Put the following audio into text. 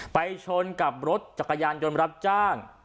ไปชนกับรถจักรยานยนต์รับจ้าง